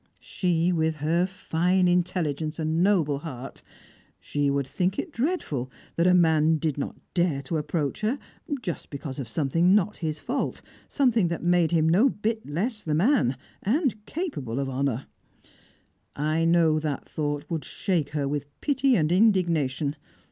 She, with her fine intelligence and noble heart, she would think it dreadful that a man did not dare to approach her, just because of something not his fault, something that made him no bit the less a man, and capable of honour. I know that thought would shake her with pity and indignation.